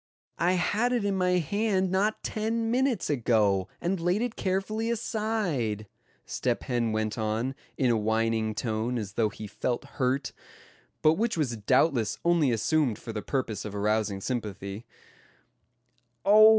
"I had it in my hand not ten minutes ago, and laid it carefully aside," Step Hen went on, in a whining tone as though he felt hurt; but which was doubtless only assumed for the purpose of arousing sympathy; "oh!